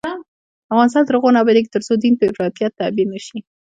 افغانستان تر هغو نه ابادیږي، ترڅو دین په افراطیت تعبیر نشي.